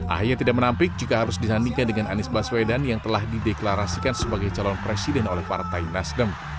ahy tidak menampik jika harus disandingkan dengan anies baswedan yang telah dideklarasikan sebagai calon presiden oleh partai nasdem